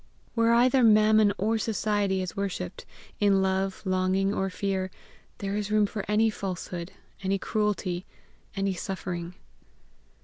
Where either Mammon or Society is worshipped, in love, longing, or fear, there is room for any falsehood, any cruelty, any suffering.